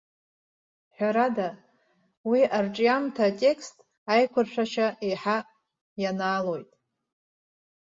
Ҳәарада, уи арҿиамҭа атекст аиқәыршәашьа еиҳа ианаалоит.